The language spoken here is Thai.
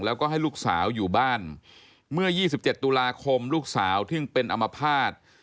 แล้วก็ให้ลูกสาวอยู่บ้านเมื่อยี่สิบเจ็ดตุลาคมลูกสาวที่ยังเป็นอัมพาต